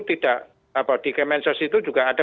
tidak apa di kemensos itu juga ada